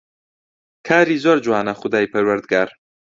کاری زۆر جوانە خودای پەروەردگار